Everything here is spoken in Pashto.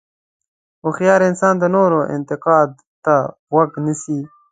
هوښیار انسان د نورو انتقاد ته غوږ نیسي.